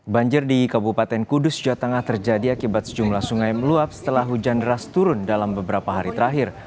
banjir di kabupaten kudus jawa tengah terjadi akibat sejumlah sungai meluap setelah hujan deras turun dalam beberapa hari terakhir